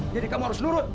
jadi kamu harus nurut